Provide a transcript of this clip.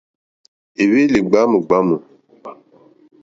Éhwélì ɡbwámù ɡbwámù.